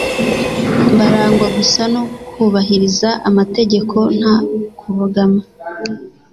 barangwa gusa no kubahiriza amategeko nta kubogama